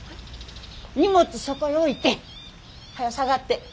荷物そこへ置いてはよ下がって。